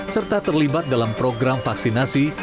serta terlibat dalam program vaksinasi